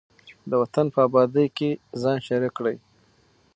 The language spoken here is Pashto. د وطن په ابادۍ کې ځان شریک کړئ.